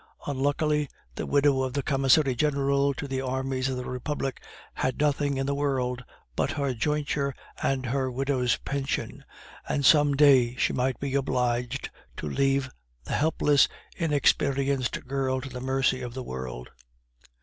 Unluckily, the widow of the commissary general to the armies of the Republic had nothing in the world but her jointure and her widow's pension, and some day she might be obliged to leave the helpless, inexperienced girl to the mercy of the world.